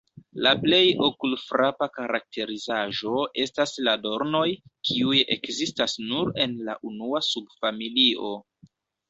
La plej okulfrapa karakterizaĵo estas la dornoj kiuj ekzistas nur en la unua subfamilio.